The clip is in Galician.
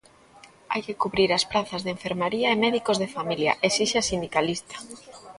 "Hai que cubrir as prazas de enfermaría e médicos de familia", esixe a sindicalista.